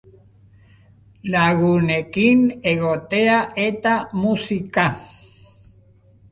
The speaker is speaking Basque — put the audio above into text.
Lagunekin egotea eta musika.